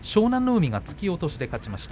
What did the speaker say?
海が突き落としで勝ちました。